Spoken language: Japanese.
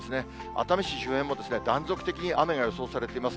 熱海市周辺も断続的に雨が予想されています。